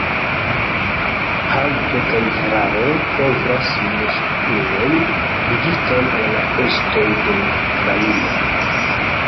Haŭto kaj hararo kovras muskolojn ligitajn al la ostoj de la kranio.